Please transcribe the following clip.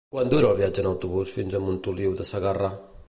Quant dura el viatge en autobús fins a Montoliu de Segarra?